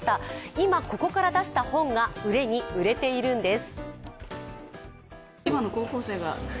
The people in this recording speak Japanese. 今、ここから出した本が売れに売れているんです。